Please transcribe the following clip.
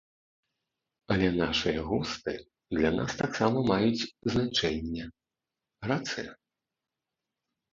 Але нашыя густы для нас таксама маюць значэнне, рацыя?